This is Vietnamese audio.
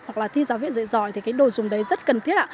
hoặc là thi giáo viện dạy giỏi thì cái đồ dùng đấy rất cần thiết